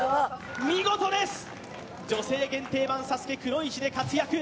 見事です、女性限定版ＳＡＳＵＫＥくノ一で活躍。